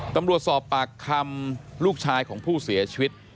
ตำรวจสอบปากคำลูกชายของผู้เสียชีวิต